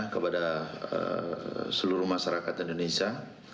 kepada seluruh masyarakat indonesia